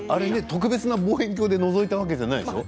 特別な望遠鏡でのぞいたわけではないでしょう？